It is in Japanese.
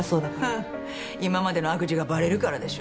ふっ今までの悪事がバレるからでしょ。